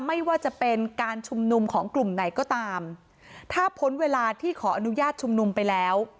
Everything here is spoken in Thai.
ไม่ว่าจะเป็นการชุมนุมของกลุ่มไหนก็ตามถ้าพ้นเวลาที่ขออนุญาตชุมนุมไปแล้ว